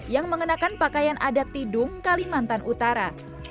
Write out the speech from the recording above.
yang mengenakan pakaian adat tidung kalimantan utara